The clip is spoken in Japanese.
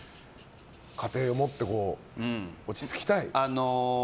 家庭持って落ち着きたい？